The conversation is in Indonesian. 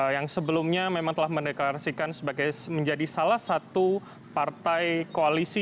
yang sebelumnya memang telah mendeklarasikan sebagai menjadi salah satu partai koalisi